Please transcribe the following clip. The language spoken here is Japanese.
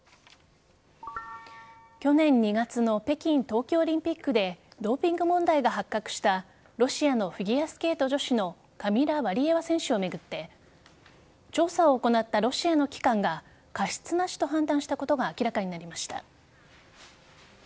去年２月の北京冬季オリンピックでドーピング問題が発覚したロシアのフィギュアスケート女子のカミラ・ワリエワ選手を巡って調査を行ったロシアの機関が過失なしと判断したことが明らかになりました。